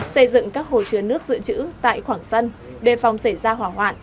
xây dựng các hồ chứa nước dự trữ tại khoảng sân đề phòng xảy ra hỏa hoạn